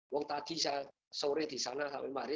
waktu tadi sore di sana sampai mari